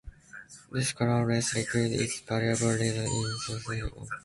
This colorless liquid is a valuable reagent in the synthesis of organic compounds.